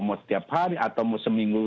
mau setiap hari atau mau seminggu